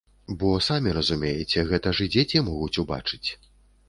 Бо самі разумееце, гэта ж і дзеці могуць убачыць.